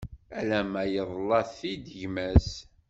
Ala ma yeḍla-t i gma-s.